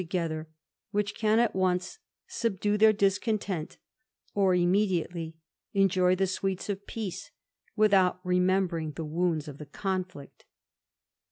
together, which can at once subdue their discontent^ ot immediately enjoy the sweets of peace, without remembeJ> ing the wounds of the conflict.